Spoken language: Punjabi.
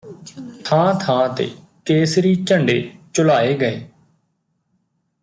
ਥਾਂ ਥਾਂ ਤੇ ਕੇਸਰੀ ਝੰਡੇ ਝੁਲਾਏ ਗਏ